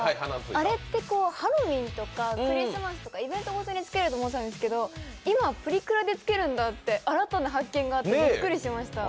あれってハロウィーンとかクリスマスとかイベントごとでつけると思っていたんですけど今、プリクラでつけるんだって新たな発見があってびっくりしました。